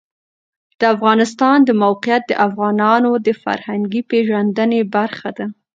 د افغانستان د موقعیت د افغانانو د فرهنګي پیژندنې برخه ده.